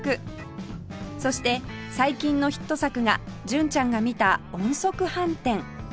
そして最近のヒット作が純ちゃんが見た音速飯店